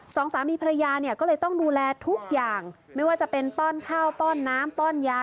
สองสามีภรรยาเนี่ยก็เลยต้องดูแลทุกอย่างไม่ว่าจะเป็นป้อนข้าวป้อนน้ำป้อนยา